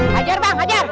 hajar bang hajar